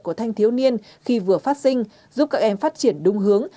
của thanh thiếu niên khi vừa phát sinh giúp các em phát triển đúng hướng